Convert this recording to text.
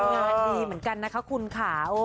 งานดีเหมือนกันนะคะคุณค่ะ